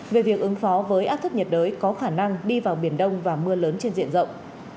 về việc ứng phó với áp thấp nhiệt đới có khả năng đi vào biển đông và mưa lớn trên diện rộng